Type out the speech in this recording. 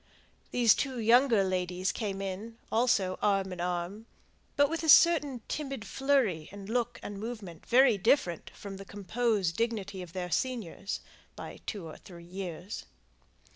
These two younger ladies came in, also arm in arm, but with a certain timid flurry in look and movement very different from the composed dignity of their seniors (by two or three years).